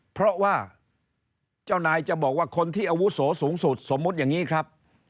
เพราะว่าเจ้านายจะบอกว่าคนที่อาวุโสสูงสุดสมมุติอย่างนี้ครับ